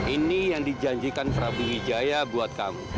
ini yang dijanjikan prabu wijaya buat kamu